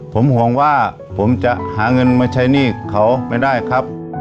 ผมห่วงว่าผมจะหาเงินมาใช้หนี้เขาไม่ได้ครับ